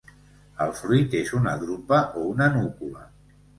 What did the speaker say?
El fruit és una drupa o una núcula.